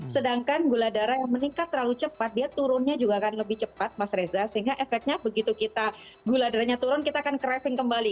sedangkan gula darah yang meningkat terlalu cepat dia turunnya juga akan lebih cepat mas reza sehingga efeknya begitu kita gula darahnya turun kita akan craving kembali